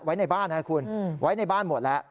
ไว้ในบ้านนะคุณไว้ในบ้านหมดแล้ว